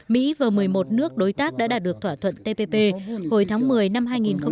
mỹ và một mươi một nước đối tác đã đạt được thỏa thuận tpp hồi tháng một mươi năm hai nghìn một mươi bảy